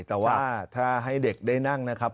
แต่ว่าถ้าให้เด็กได้นั่งนะครับ